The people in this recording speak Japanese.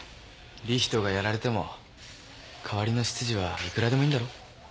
理人がやられても代わりの執事はいくらでもいんだろ。